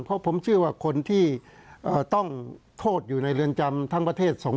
เพราะผมเชื่อว่าคนที่ต้องโทษอยู่ในเรือนจำทั้งประเทศ